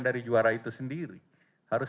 dari juara itu sendiri harus